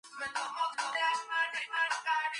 Rolls et al.